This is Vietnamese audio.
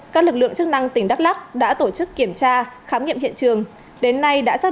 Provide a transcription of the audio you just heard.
các lực lượng chức năng tỉnh đắk lắc đã tổ chức kiểm tra khám nghiệm hiện trường đến nay đã xác